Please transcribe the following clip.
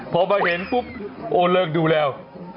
พอมาเห็นปุ๊บโอ้เลิกดูแล้ว